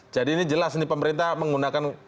jadi ini jelas nih pemerintah menggunakan